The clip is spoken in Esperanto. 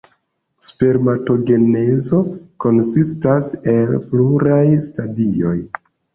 Spermatogenezo konsistas el pluraj stadioj.